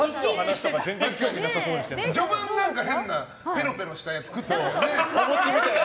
序盤変なペロペロしたやつ食ってた。